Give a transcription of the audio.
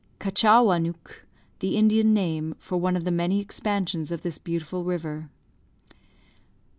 The Indian name for one of the many expansions of this beautiful river.